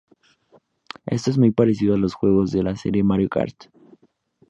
Es muy parecido a los juegos de la serie Mario Kart.